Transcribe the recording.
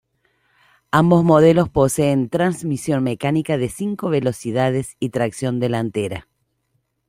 Ambos modelos poseen transmisión mecánica de cinco velocidades y tracción delantera.